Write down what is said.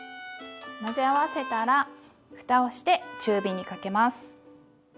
混ぜ合わせたらふたをして中火にかけます。